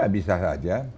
ya bisa saja